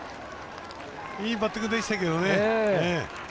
いいバッティングでしたけどね。